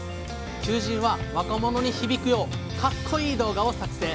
求人は若者に響くようカッコいい動画を作成。